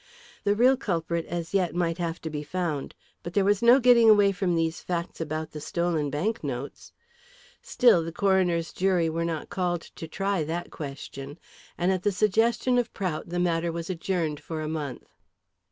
The real culprit as yet might have to be found, but there was no getting away from these facts about the stolen banknotes. Still, the coroner's jury were not called to try that question, and at the suggestion of Prout the matter was adjourned for a month.